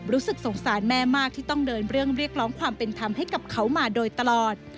รู้สึกสงสารแม่มากที่ต้องเดินเรื่องเรียกร้องความเป็นธรรมให้กับเขามาโดยตลอด